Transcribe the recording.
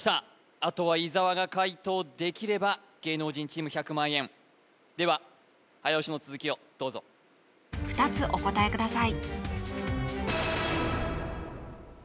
あとは伊沢が解答できれば芸能人チーム１００万円では早押しの続きをどうぞ２つお答えください